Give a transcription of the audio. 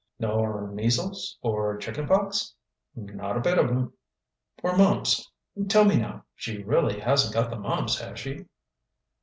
"Nor measles, or chicken pox?" "Not a bit of 'em." "Or mumps? Tell me, now, she really hasn't got the mumps, has she?"